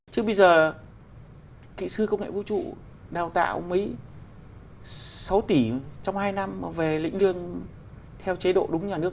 chứ bây giờ kỹ sư công nghệ vũ trụ đào tạo mấy sáu tỷ trong hai năm về lĩnh lương theo chế độ đúng nhà nước